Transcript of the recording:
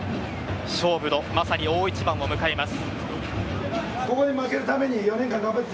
勝負のまさに大一番を迎えます。